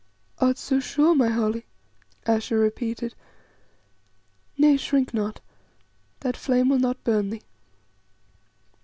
"Art so sure, my Holly?" Ayesha repeated. "Nay, shrink not; that flame will not burn thee.